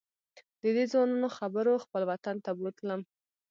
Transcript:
ددې ځوانانو خبرو خپل وطن ته بوتلم.